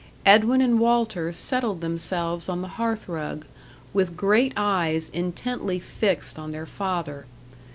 Edwin and Walter settled themselves on the hearth rug, with great eyes intently fixed on their father.